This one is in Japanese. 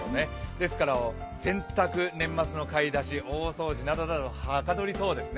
ですから洗濯、年末の買い出し、大掃除などなどはかどりそうですね。